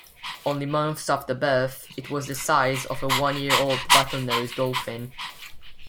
Only months after birth, it was the size of a one-year-old bottlenose dolphin.